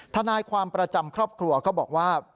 ทนายความประจำครอบครัวก็บอกว่า